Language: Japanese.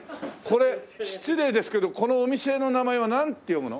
これ失礼ですけどこのお店の名前はなんて読むの？